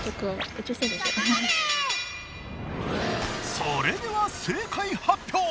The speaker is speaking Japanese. それでは正解発表。